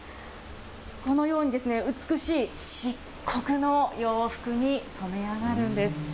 このようにですね、美しい漆黒の洋服に染め上がるんです。